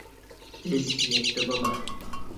بىز يەتتە بالا